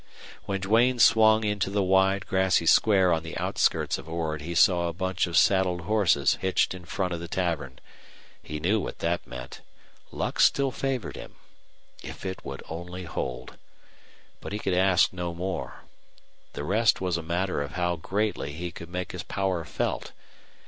When Duane swung into the wide, grassy square on the outskirts of Ord he saw a bunch of saddled horses hitched in front of the tavern. He knew what that meant. Luck still favored him. If it would only hold! But he could ask no more. The rest was a matter of how greatly he could make his power felt.